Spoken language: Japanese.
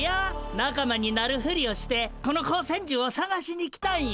仲間になるふりをしてこの光線じゅうをさがしに来たんや。